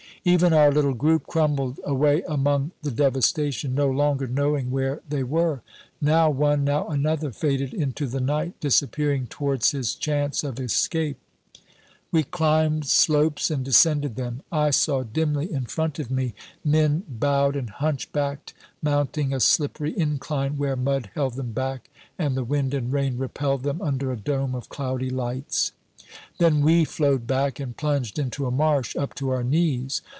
Even our little group crumbled away among the devastation, no longer knowing where they were. Now one, now another, faded into the night, disappearing towards his chance of escape. We climbed slopes and descended them. I saw dimly in front of me men bowed and hunchbacked, mounting a slippery incline where mud held them back, and the wind and rain repelled them under a dome of cloudy lights. Then we flowed back, and plunged into a marsh up to our knees.